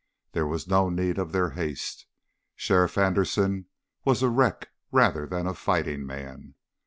There was no need of their haste. Sheriff Anderson was a wreck rather than a fighting man.